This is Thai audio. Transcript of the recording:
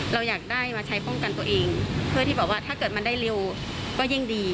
เราอยากได้มาใช้ป้องกันตัวเองเพื่อที่บอกว่าถ้าเกิดมันได้เร็วก็ยิ่งดี